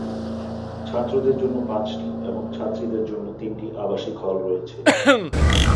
ছাত্রদের জন্য পাঁচটি এবং ছাত্রীদের জন্য তিনটি আবাসিক হল রয়েছে।